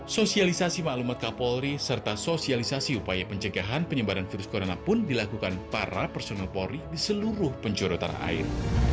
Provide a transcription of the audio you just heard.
sosialisasi maklumat kapolri serta sosialisasi upaya pencegahan penyebaran virus corona pun dilakukan para personel polri di seluruh penjuru tanah air